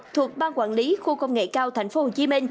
thuộc ban quản lý khu công nghệ cao tp hcm